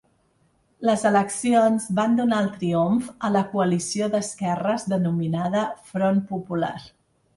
Les eleccions van donar el triomf a la coalició d'esquerres denominada Front Popular.